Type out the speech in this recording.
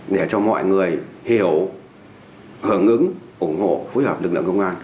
để cho mọi người hiểu hưởng ứng ủng hộ phối hợp lực lượng công an